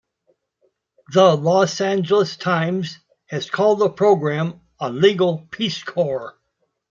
The "Los Angeles Times" has called the program "a legal Peace Corps.